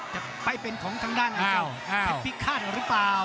จะไปเป็นของทางด้านเจ้าเพชรพิฆาตหรือเปล่า